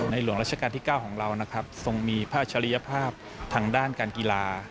หลวงราชการที่๙ของเรานะครับทรงมีพระอัจฉริยภาพทางด้านการกีฬา